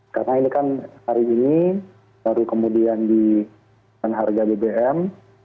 karena ini kan hari ini baru kemudian dikenakan harga bbm